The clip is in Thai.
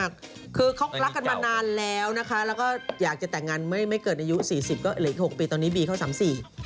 เขารักกันมานานแล้วนะคะอยากจะแต่งงานไม่เกิดอายุ๔๐ก็เหลืออีก๖ปีตอนนี้บีเขา๓๔